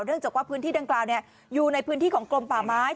จากว่าพื้นที่ดังกล่าวอยู่ในพื้นที่ของกลมป่าไม้